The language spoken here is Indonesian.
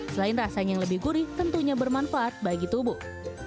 selain rasanya yang lebih gurih tentunya bermanfaat bagi tubuh